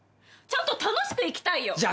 ちゃんと楽しく生きたいよ！